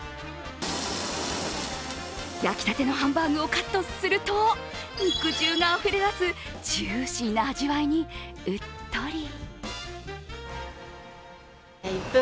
焼きたてのハンバーグをカットすると肉汁があふれ出すジューシーな味わいにうっとり。